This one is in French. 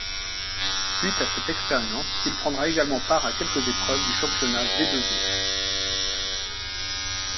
Suite à cette expérience, il prendra également part à quelques épreuves du Championnat VdeV.